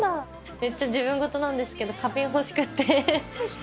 めっちゃ自分事なんですけど花瓶欲しくて。